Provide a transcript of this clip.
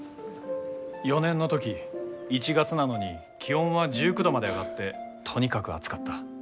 ４年の時１月なのに気温は１９度まで上がってとにかく暑かった。